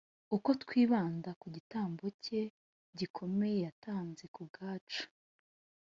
Uko twibanda ku gitambo cye gikomeye yatanze kubwacu